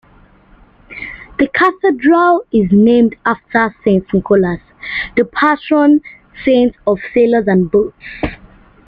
The cathedral is named after Saint Nicholas, the patron saint of sailors and boats.